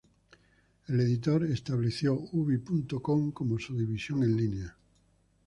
El editor estableció ubi.com como su división en línea.